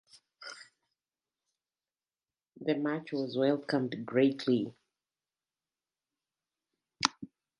The match was welcomed greatly.